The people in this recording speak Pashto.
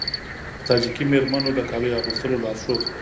د تاجیکي میرمنو د کالیو اغوستلو لارښود